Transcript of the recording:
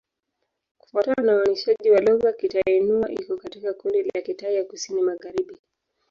Kufuatana na uainishaji wa lugha, Kitai-Nüa iko katika kundi la Kitai ya Kusini-Magharibi.